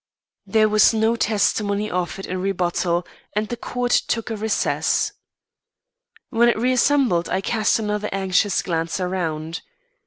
There was no testimony offered in rebuttal and the court took a recess. When it reassembled I cast another anxious glance around.